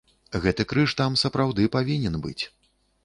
Гэты крыж там сапраўды павінен быць.